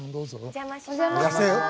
お邪魔します。